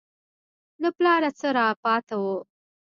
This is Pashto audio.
له پلاره څه راپاته وو.